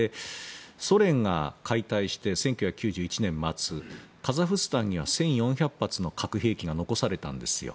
ソ連が解体して１９９１年末カザフスタンには１４００発の核兵器が残されたんですよ。